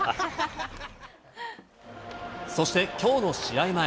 そしてきょうの試合前。